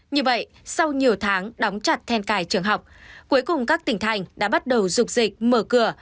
như vậy sau nhiều tháng đóng chặt then cài trường học cuối cùng các tỉnh thành đã bắt đầu dục dịch mở cửa